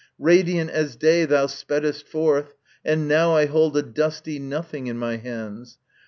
Radiant as day thou speddest forth, and now I hold a dusty nothing in my hands.